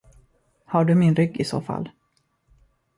Har du min rygg isåfall?